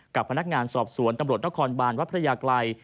กับพนักงานสอบสวนตำรวจนครบานวัดพระยากรัย